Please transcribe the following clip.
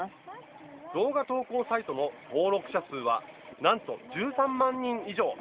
動画投稿サイトの登録者数はなんと１３万人以上！